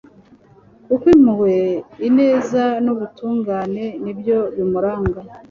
koko impuhwe, ineza n'ubutungane ni byo bimuranga